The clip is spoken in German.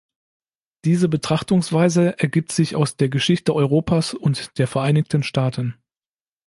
Diese Betrachtungsweise ergibt sich aus der Geschichte Europas und der Vereinigten Staaten.